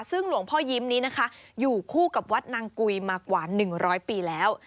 ซึ่งหลวงพ่อยิ้มนี้นะคะอยู่คู่กับวัดนางกุยมากว่า๑๐๐ปีแล้ว